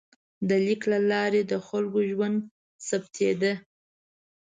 د لیک له لارې د خلکو ژوند ثبتېده.